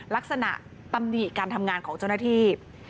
ลักษณะตำหนี่การทำงานของเจ้าหน้าที่